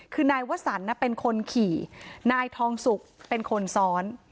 คือนายวสันเป็นคนขี่นายทองสุกเป็นคนซ้อน